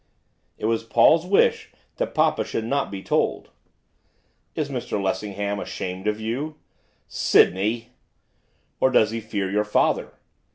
'It was Paul's wish that papa should not be told.' 'Is Mr Lessingham ashamed of you?' 'Sydney!' 'Or does he fear your father?